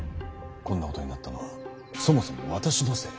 こんなことになったのはそもそも私のせい。